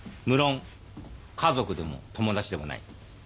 むろん家族でも友達でもない。